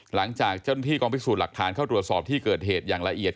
หลังจากเจ้าหน้าที่กองพิสูจน์หลักฐานเข้าตรวจสอบที่เกิดเหตุอย่างละเอียด